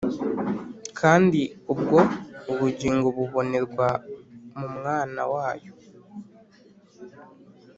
kandi ubwo ubugingo bubonerwa mu Mwana wayo